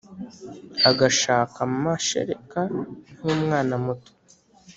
agashaka mashereka nkumwana muto.